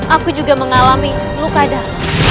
aku juga mengalami luka darah